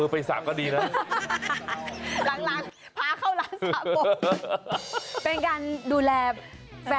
ไปใหม่กะดมไปเหอะ